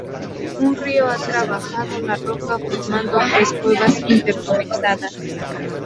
Un río ha trabajado la roca, formando tres cuevas interconectadas.